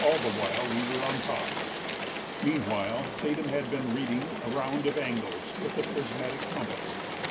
all the while we were on top. Meanwhile, Tatum had been reading a round of angles with the prismatic compass.